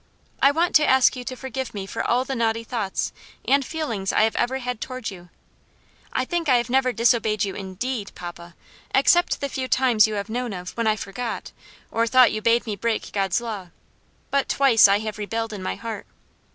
I want to ask you to forgive me for all the naughty thoughts and feelings I have ever had towards you. I think I have never disobeyed you in deed, papa except the few times you have known of, when I forgot, or thought you bade me break God's law but twice I have rebelled in my heart.